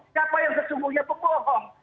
siapa yang sesungguhnya berbohong